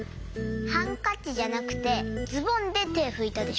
ハンカチじゃなくてズボンでてふいたでしょ。